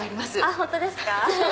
本当ですか。